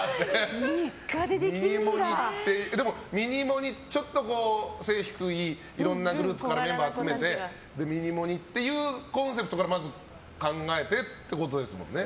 でも、ミニモニ。は背が低いいろんなグループからメンバー集めてミニモニ。っていうコンセプトからまず考えてってことですもんね。